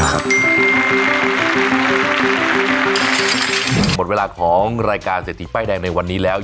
หมดเวลาของรายการเศรษฐีป้ายแดงในวันนี้แล้ว